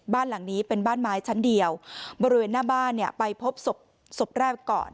บ้านหลังนี้เป็นบ้านไม้ชั้นเดียวบริเวณหน้าบ้านเนี่ยไปพบศพแรกก่อน